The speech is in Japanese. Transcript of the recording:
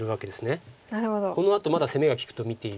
このあとまだ攻めが利くと見ている。